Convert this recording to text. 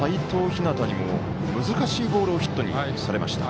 陽にも難しいボールをヒットにされました。